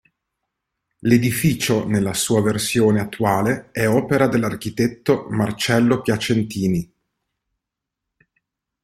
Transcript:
L'edificio nella sua versione attuale è opera dell'architetto Marcello Piacentini.